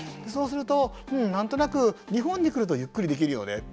そうすると、何となく日本に来るゆっくりできるよね。